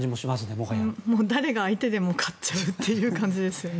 もう誰が相手でも勝っちゃうという感じですよね。